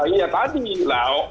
ya ini lah